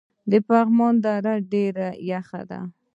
د پغمان دره ډیره یخه ده